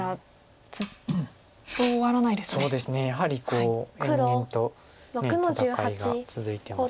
やはり延々と戦いが続いてます。